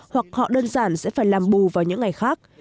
hoặc họ đơn giản sẽ phải làm bù vào những ngày khác